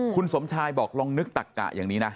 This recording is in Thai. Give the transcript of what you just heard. คุณสมชายบอกลองนึกตักกะอย่างนี้นะ